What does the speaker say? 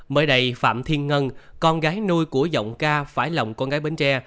mới đây phạm thiên ngân con gái nuôi của giọng ca phải lòng con gái bến tre